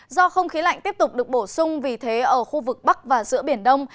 do không khí lạnh tiếp tục được bổ sung vì thế ở khu vực bắc và giữa biển đông